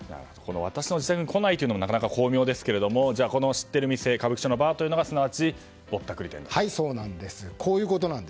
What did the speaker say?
私の自宅に来ないってのもなかなか巧妙ですが私の知っている店が歌舞伎町のバーがすなわちそうなんです。